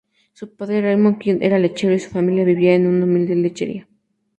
Su padre, Raymond King, era lechero, y su familia vivía en una humilde lechería.